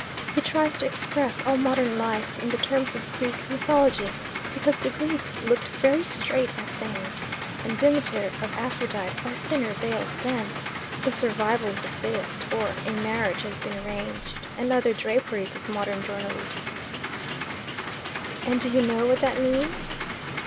He tries to express all modern life in the terms of Greek mythology, because the Greeks looked very straight at things, and Demeter or Aphrodite are thinner veils than 'The survival of the fittest', or 'A marriage has been arranged,' and other draperies of modern journalese." "And do you know what that means?"